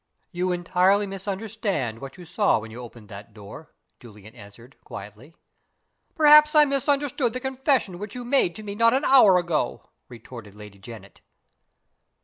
"You entirely misunderstand what you saw when you opened that door," Julian answered, quietly. "Perhaps I misunderstand the confession which you made to me not an hour ago?" retorted Lady Janet.